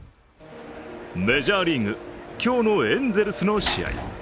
メジャーリーグ、今日のエンゼルスの試合。